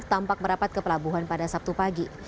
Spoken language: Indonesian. tampak merapat ke pelabuhan pada sabtu pagi